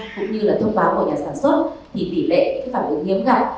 cũng như là thông báo của nhà sản xuất thì tỷ lệ phản ứng hiếm cạnh